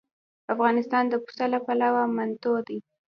افغانستان د پسه له پلوه متنوع دی.